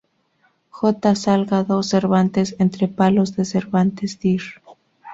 J. Salgado; "Cervantes entre palos" de Cervantes, dir.